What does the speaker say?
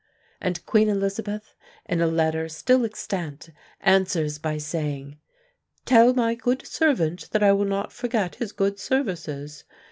And Queen Elizabeth, in a letter still extant, answers by saying: 'Tell my good servant that I will not forget his good services.'